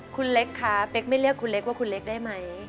คุณเล็กคะเป๊กไม่เรียกคุณเล็กว่าคุณเล็กได้ไหม